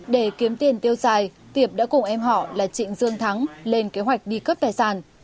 để kiếm tiền tiêu xài tiệp đã cùng em họ là trịnh dương thắng lên kế hoạch đi cướp tài sản